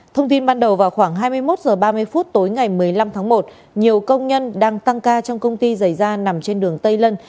thông tin ban đầu vào khoảng hai mươi một h ba mươi phút tối ngày một mươi năm tháng một nhiều công nhân đang tăng ca trong công ty giày da nằm trên đường tây lân